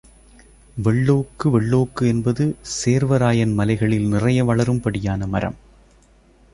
வெள்ளோக்கு வெள்ளோக்கு என்பது சேர்வராயன் மலைகளில் நிறைய வளரும்படியான மரம்.